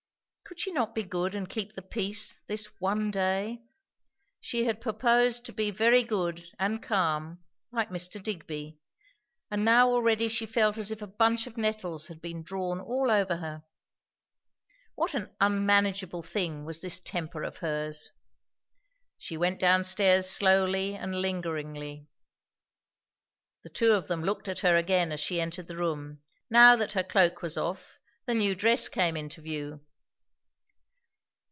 Could she not be good and keep the peace, this one day? She had purposed to be very good, and calm, like Mr. Digby; and now already she felt as if a bunch of nettles had been drawn all over her. What an unmanageable thing was this temper of hers. She went down stairs slowly and lingeringly. The two looked at her again as she entered the room; now that her cloak was off, the new dress came into view.